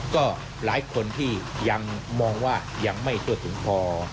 ก็หลายคนที่ยังมองว่ายังไม่ทั่วถึงพอ